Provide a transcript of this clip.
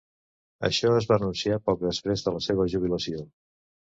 Això es va anunciar poc després de la seva jubilació.